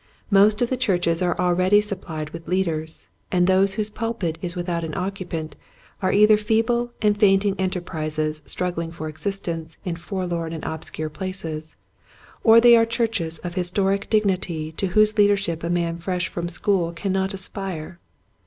Most of the churches are already supplied with leaders, and those whose pulpit is without an occupant are either feeble and fainting enterprises struggling for exist ence in forlorn and obscure places, or they are churches of historic dignity to whose leadership a man fresh from school cannot aspire.